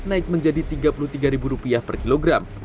naik menjadi rp tiga puluh tiga per kilogram